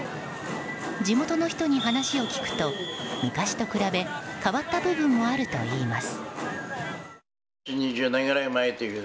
地元の人に話を聞くと昔と比べ変わった部分もあるといいます。